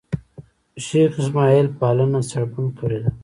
شېخ اسماعیل پالنه سړبن کړې ده.